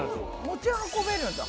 持ち運べるんだ